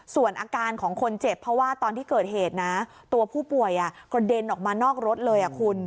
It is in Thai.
ส่วนอาการของคนเจ็บเพราะว่าตอนที่เกิดเหตุนะตัวผู้ป่วยกระเด็นออกมานอกรถเลยคุณ